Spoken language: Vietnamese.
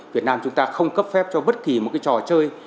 việt nam chúng ta không cấp phép cho bất kỳ một cái trò chơi